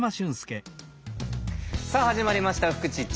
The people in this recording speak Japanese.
さあ始まりました「フクチッチ」。